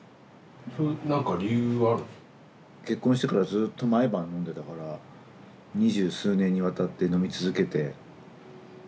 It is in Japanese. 結婚してからずっと毎晩飲んでたから二十数年にわたって飲み続けて疲れてきたみたいなことかな。